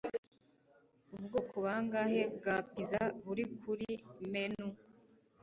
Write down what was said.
ubwoko bangahe bwa pizza buri kuri menu